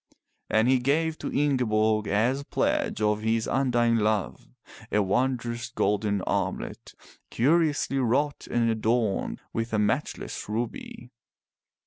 And he gave to Ingeborg, as pledge of his undying love, a wondrous golden armlet curiously wrought and adorned with a matchless ruby.